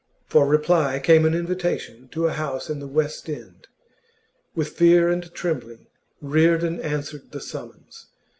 For reply came an invitation to a house in the West end. With fear and trembling Reardon answered the summons.